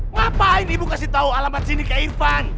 ngapain ibu kasih tau alamat sini ke irfan